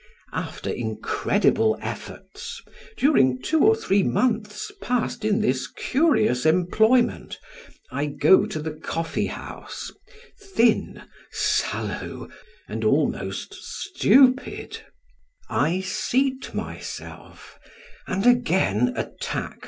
After incredible efforts, during two or three months passed in this curious employment, I go to the coffee house, thin, sallow, and almost stupid; I seat myself, and again attack M.